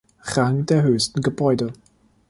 Rang der höchsten Gebäude.